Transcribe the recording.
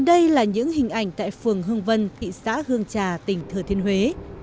đây là những hình ảnh tại phường hương vân thị xã hương trà tỉnh thừa thiên huế